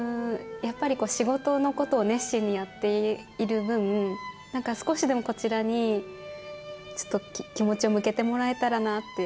やっぱり仕事のことを熱心にやっている分なんか少しでも、こちらにちょっと気持ちを向けてもらえたらなって。